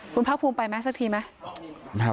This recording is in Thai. คุณพระพุมไปไหมสักทีไหม